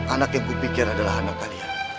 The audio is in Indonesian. anak yang kupikir adalah anak kalian